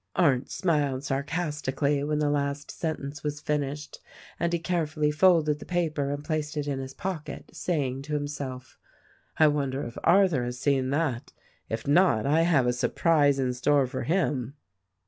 Arndt smiled sarcastically when the last sentence was finished, and he carefully folded the paper and placed it in his pocket, saying to himself, "I wonder if Arthur has seen that ? If not, I have a surprise in store for him."